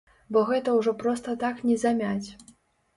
Бо гэта ўжо проста так не замяць.